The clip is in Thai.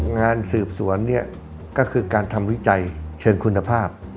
งานสืบสวนเนี่ยก็คือการทำวิจัยเชิงคุณภาพ